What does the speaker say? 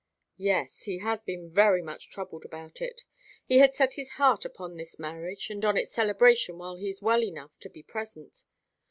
"Yes, he has been very much troubled about it. He had set his heart upon this marriage, and on its celebration while he is well enough to be present.